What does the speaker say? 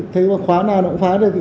thấy khóa nào nó cũng phá được